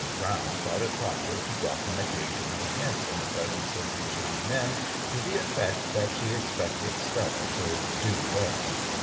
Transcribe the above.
Brown thought it proper to drop an occasional hint in the presence of these young men to the effect that she expected Stella to "do well."